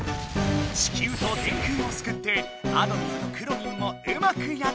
地きゅうと「電空」をすくってあどミンとくろミンもうまくやってるみたい。